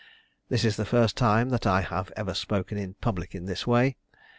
This is the first time that I have ever spoken in public in this way.